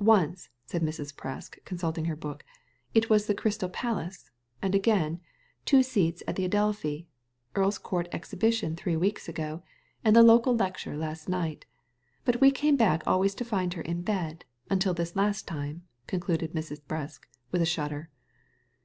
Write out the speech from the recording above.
Once," said Mrs. Presk, consulting her book, "it was the Crystal Palace; again, two seats at the Adelphi ; Earl's Court Ex hibition three weeks ago, and the local lecture last night But we came back always to find her in bed» until this last time," concluded Mr. Presk, with a shudder.